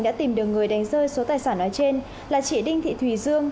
đã tìm được người đánh rơi số tài sản nói trên là chị đinh thị thùy dương